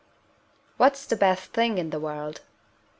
What's the best thing in the world?